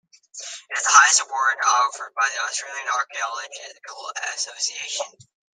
It is the highest award offered by the Australian Archaeological Association.